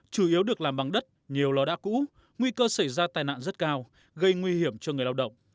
chủ yếu được làm bằng đất nhiều lò đã cũ nguy cơ xảy ra tai nạn rất cao gây nguy hiểm cho người lao động